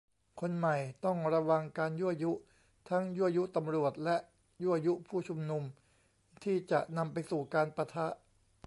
คนใหม่ ต้องระวังการยั่วยุ ทั้งยั่วยุตำรวจ และยั่วยุผู้ชุมนุม ที่จะนำไปสู่การปะทะ